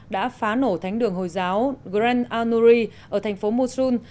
đã phá nổ thánh đường hồi giáo grand al nuri ở thành phố mosul